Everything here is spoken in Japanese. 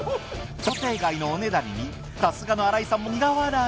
想定外のおねだりにさすがの新井さんも苦笑い。